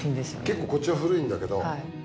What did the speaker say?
結構こっちは古いんだけど。